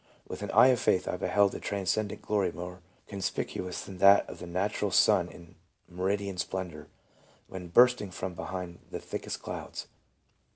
With an eye of faith I beheld the transcendent glory more conspicuous than that of the natural sun in meridian splendor, when bursting from behind the thickest clouds.